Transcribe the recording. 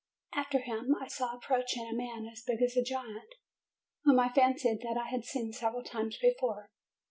After him I saw approaching a man as big as a giant, whom I fancied that I had seen several times before.